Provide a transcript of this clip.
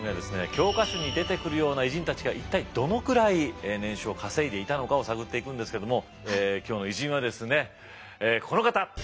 教科書に出てくるような偉人たちが一体どのくらい年収を稼いでいたのかを探っていくんですけども今日の偉人はですねこの方